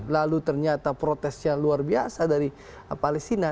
lalu ternyata protes yang luar biasa dari palestina